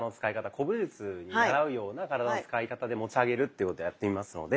古武術にならうような体の使い方で持ち上げるっていうことをやってみますので。